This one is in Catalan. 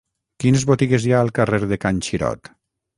Quines botigues hi ha al carrer de Can Xirot?